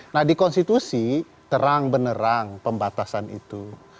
nah di konstitusi terang benerang pembatasan itu